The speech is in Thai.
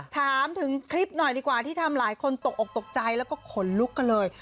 ถามถึงคลิปหน่อยดีกว่าที่ทำหลายคนตกออกตกใจแล้วก็ขนลุกกันเลย